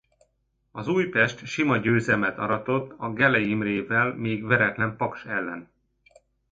Az Újpest sima győzelmet aratott a Gellei Imrével még veretlen Paks ellen.